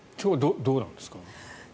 どうなんですか？